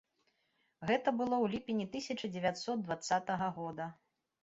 Гэта было ў ліпені тысяча дзевяцьсот дваццатага года.